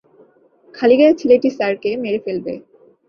খালিগায়ে ছেলেটি স্যারকে মেরে ফেলবে।